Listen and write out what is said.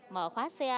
mở khóa xe